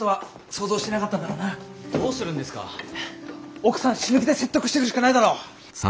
奥さん死ぬ気で説得してくるしかないだろ。